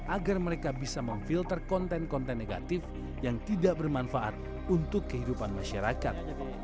agar mereka bisa memfilter konten konten negatif yang tidak bermanfaat untuk kehidupan masyarakat